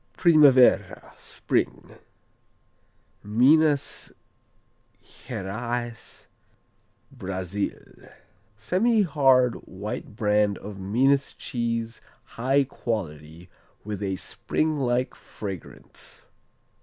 Primavera, Spring Minas Geraes, Brazil Semihard white brand of Minas cheese high quality, with a spring like fragrance.